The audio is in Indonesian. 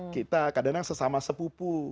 kita kadang kadang sesama sepupu